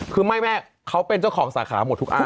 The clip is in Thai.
คือไม่แม่เขาเป็นเจ้าของสาขาหมดทุกอัน